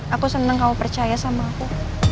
aku senang kamu percaya sama aku